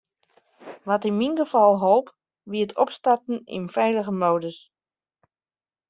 Wat yn myn gefal holp, wie it opstarten yn feilige modus.